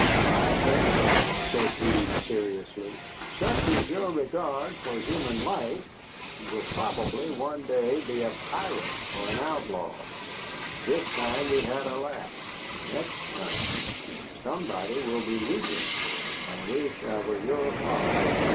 "My friend," said he, seriously, "such is your regard for human life, you will probably one day be a pirate or an outlaw. This time we've had a laugh. The next time somebody will be weeping. I wish I were your father."